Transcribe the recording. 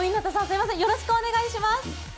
よろしくお願いします。